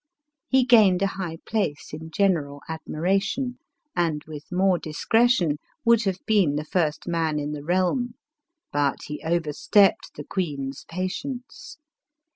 He gained a high place in general admiration, and, with more discretion, would have been the first man in the realm. Butrhe overstepped the queen's pa tience.